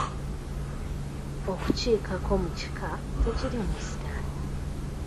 Okukiikako mu kika tekiriimu sitaani.